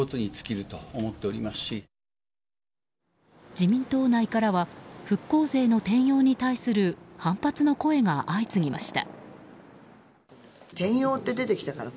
自民党内からは復興税の転用に対する反発の声が相次ぎました。